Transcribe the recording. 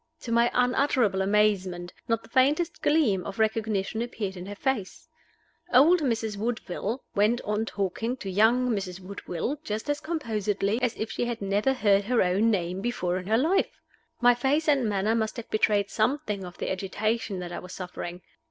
To my unutterable amazement, not the faintest gleam of recognition appeared in her face. Old Mrs. Woodville went on talking to young Mrs. Woodville just as composedly as if she had never heard her own name before in her life! My face and manner must have betrayed something of the agitation that I was suffering.